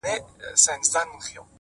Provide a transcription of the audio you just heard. د همدې شپې هېرول يې رانه هېر کړل!!